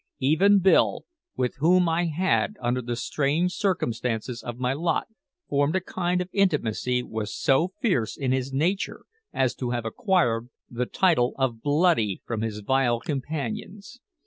Even Bill, with whom I had, under the strange circumstances of my lot, formed a kind of intimacy, was so fierce in his nature as to have acquired the title of "Bloody" from his vile companions.